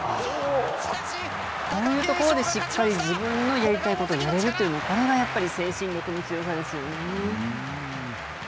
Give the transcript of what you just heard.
こういうところでしっかり自分のやりたいことをやれるというのが、これが精神力の強さですかね。